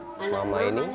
tiga dari anak mama ini